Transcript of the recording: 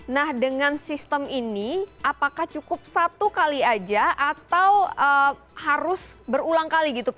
nah dengan sistem ini apakah cukup satu kali aja atau harus berulang kali gitu pak